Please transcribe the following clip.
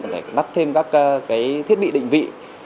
phải nắp thêm các thiết bị định vị